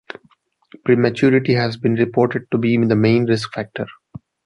Prematurity has been reported to be the main risk factor.